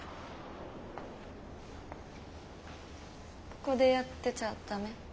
ここでやってちゃダメ？